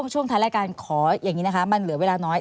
ช่วงท้ายรายการขออย่างนี้นะคะมันเหลือเวลาน้อย